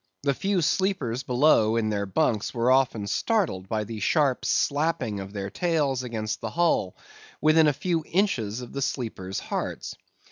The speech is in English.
The few sleepers below in their bunks were often startled by the sharp slapping of their tails against the hull, within a few inches of the sleepers' hearts.